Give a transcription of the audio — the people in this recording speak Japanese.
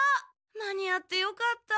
間に合ってよかった。